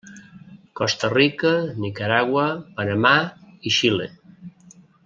Costa Rica, Nicaragua, Panamà i Xile.